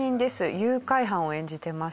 誘拐犯を演じてます。